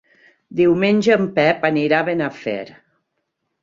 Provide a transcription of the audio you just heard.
Diumenge en Pep anirà a Benafer.